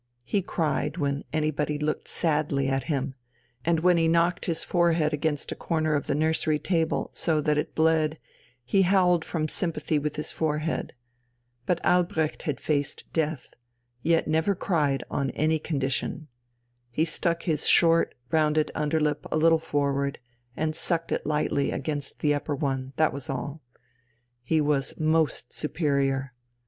He cried, when anybody "looked sadly" at him, and when he knocked his forehead against a corner of the nursery table, so that it bled, he howled from sympathy with his forehead. But Albrecht had faced Death, yet never cried on any condition. He stuck his short, rounded underlip a little forward, and sucked it lightly against the upper one that was all. He was most superior.